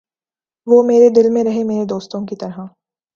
وُہ میرے دل میں رہے میرے دوستوں کی طرح